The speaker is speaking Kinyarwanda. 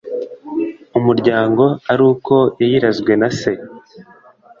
umuryango ari uko yayirazwe na se